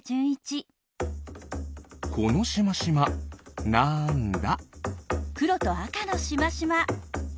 このしましまなんだ？